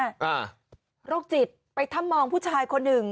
อ่าโรคจิตไปถ้ำมองผู้ชายคนหนึ่ง